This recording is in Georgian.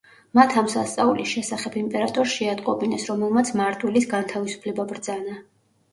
მათ ამ სასწაულის შესახებ იმპერატორს შეატყობინეს, რომელმაც მარტვილის განთავისუფლება ბრძანა.